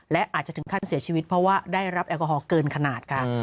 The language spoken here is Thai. และอาจจะถึงขั้นเสียชีวิตเพราะว่าได้รับแอลกอฮอลเกินขนาดค่ะ